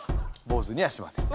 坊主にはしません。